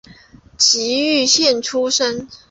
崎玉县出身。